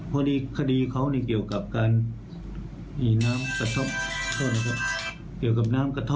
เพราะว่า